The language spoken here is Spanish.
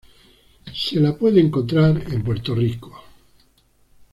Se la puede encontrar en Puerto Rico.